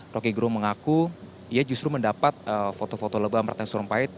roky gerung mengaku ia justru mendapat foto foto lebam ratna sarumpait